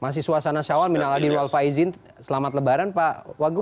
masih suasana syawal minal adin wal faizin selamat lebaran pak wagub